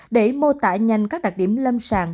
để mô tả nhanh các đặc điểm lâm sàng